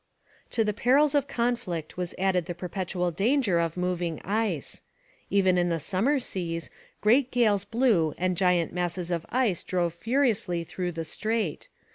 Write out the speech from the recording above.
To the perils of conflict was added the perpetual danger of moving ice. Even in the summer seas, great gales blew and giant masses of ice drove furiously through the strait.